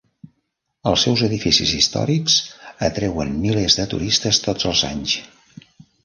Els seus edificis històrics atreuen milers de turistes tots els anys.